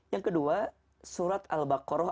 yang kedua surat al baqarah dua ratus enam belas